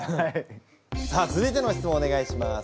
さあ続いての質問をお願いします。